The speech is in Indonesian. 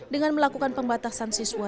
dengan melakukan pembatasan siswa